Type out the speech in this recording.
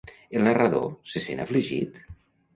El narrador se sent afligit?